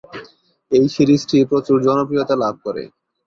এই সিরিজটি প্রচুর জনপ্রিয়তা লাভ করে।